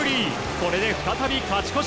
これで再び勝ち越し。